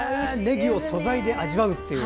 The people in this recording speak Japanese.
ねぎを素材で味わうという。